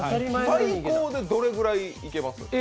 最高でどれくらいいけます？